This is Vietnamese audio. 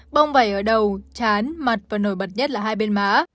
bông vẩy ở đầu chán mặt và nổi bật nhất là hai bên má